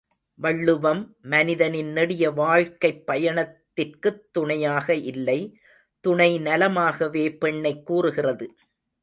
வள்ளுவம் மனிதனின் நெடிய வாழ்க்கைப் பயணத்திற்குத் துணையாக இல்லை, துணை நலமாகவே பெண்ணைக் கூறுகிறது.